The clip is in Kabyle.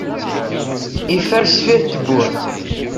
Yeffer sdeffir tewwurt.